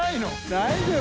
大丈夫？